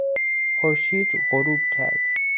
خورشید غروب کرد.